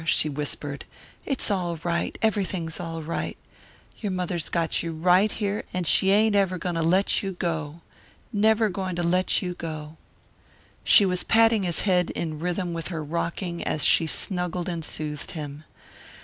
she whispered. "It's all right, everything's all right. Your mother's got you right here and she ain't ever going to let you go never going to let you go." She was patting his head in rhythm with her rocking as she snuggled and soothed him.